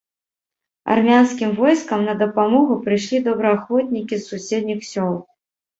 Армянскім войскам на дапамогу прыйшлі добраахвотнікі з суседніх сёл.